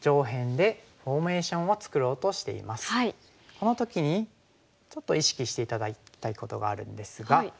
この時にちょっと意識して頂きたいことがあるんですが。